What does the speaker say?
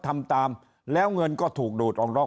ไม่กด